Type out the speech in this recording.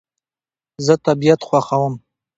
زه طبیعت خوښوم